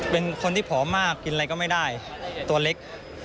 เป็นคนที่ผอมมากกินอะไรก็ไม่ได้ตัวเล็ก